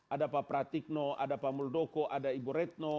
ada pak pratikno ada pak muldoko ada ibu retno